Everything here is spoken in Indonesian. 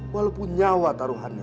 walaupun nyawa taruhannya